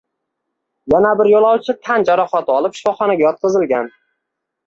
Yana bir yo‘lovchi tan jarohati olib shifoxonaga yotqizilgan